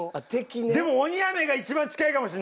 でも鬼飴が一番近いかもしれない。